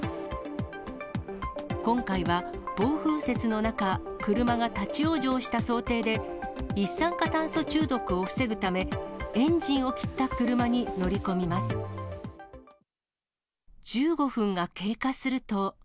今回は、暴風雪の中、車が立往生した想定で、一酸化炭素中毒を防ぐため、エンジンを切った車に乗り込みます。